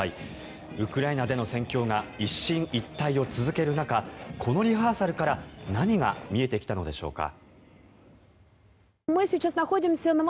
ウクライナでの戦況が一進一退を続ける中このリハーサルから何が見えてきたのでしょうか。